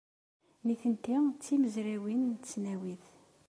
Nitenti d timezrawin n tesnawit.